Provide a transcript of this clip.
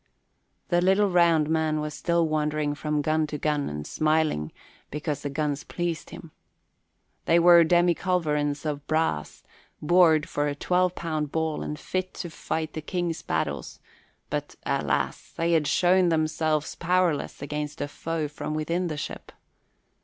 The little round man was still wandering from gun to gun and smiling because the guns pleased him. They were demiculverins of brass, bored for a twelve pound ball and fit to fight the King's battles; but alas! they had shown themselves powerless against a foe from within the ship.